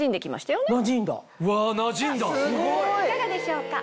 いかがでしょうか？